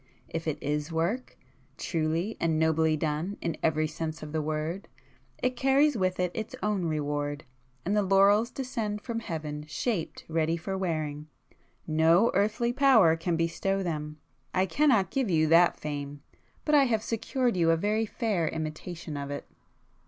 If it is work, truly and nobly done in every sense of the word, it carries with it its own reward, and the laurels descend from heaven shaped ready for wearing,—no earthly power can bestow them. I cannot give you that fame,—but I have secured you a very fair imitation of it."